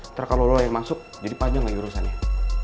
ntar kalau lo yang masuk jadi panjang lagi urusannya